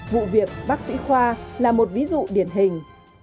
vụ việc bác sĩ khoa là một ví dụ điển hình